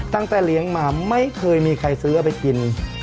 ตั้งแต่เลี้ยงมาไม่เคยมีใครซื้อเอาไปกิน